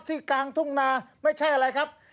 กลางทุ่งนาไม่ใช่อะไรครับ